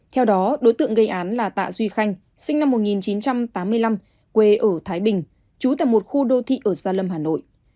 theo đó đối tượng gây án là tạ duy khanh sinh năm một nghìn chín trăm tám mươi năm quê ở thái bình trú tại một khu đô thị ở gia lâm hà nội